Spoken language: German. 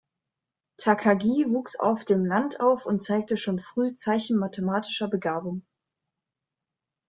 Takagi wuchs auf dem Land auf und zeigte schon früh Zeichen mathematischer Begabung.